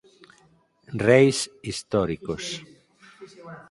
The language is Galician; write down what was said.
Reis históricos.